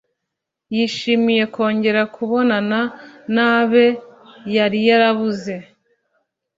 Yishimiye kongera kubonana nabe yariyarabuze